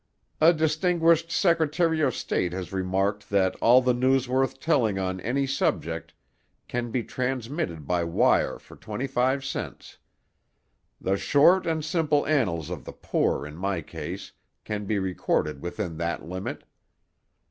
"A distinguished secretary of state has remarked that all the news worth telling on any subject can be transmitted by wire for twenty five cents. The short and simple annals of the poor in my case can be recorded within that limit.